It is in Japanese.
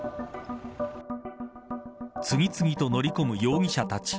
次々と乗り込む容疑者たち。